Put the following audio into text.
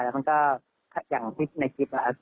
แล้วมันก็อย่างที่ในคลิป